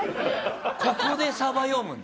ここでサバ読むんだね。